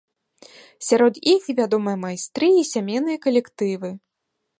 Сярод іх і вядомыя майстры, і сямейныя калектывы.